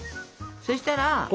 そしたら。